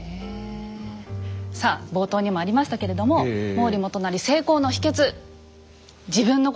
さあ冒頭にもありましたけれども毛利元就成功の秘けつ。